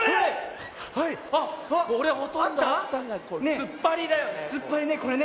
つっぱりだよね。